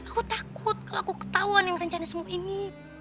aku takut kalau aku ketahuan yang rencana semua ini